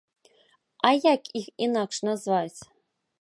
А як іх інакш назваць?